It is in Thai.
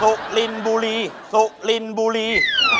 สุลินบุลีสุลินบุลี